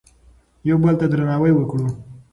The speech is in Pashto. یو بل ته درناوی وکړو.